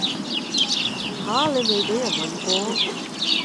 吓!你未畀人問過?